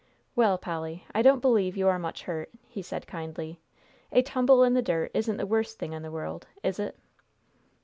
"Well, Polly, I don't believe you are much hurt," he said kindly. "A tumble in the dirt isn't the worst thing in the world, is it?"